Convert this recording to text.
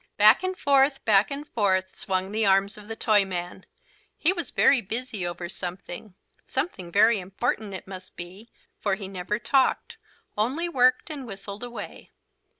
Back and forth, back and forth swung the arms of the Toyman. He was very busy over something something very important it must be, for he never talked, only worked and whistled away.